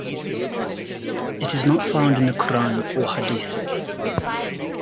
It is not found in the Quran or Hadith.